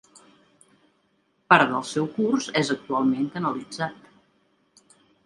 Part del seu curs és actualment canalitzat.